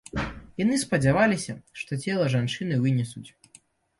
Яны спадзяваліся, што цела жанчыны вынесуць.